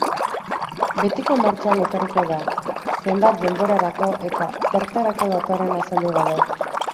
Betiko martxan etorriko da, zenbat denborarako eta zertarako datorren azaldu gabe.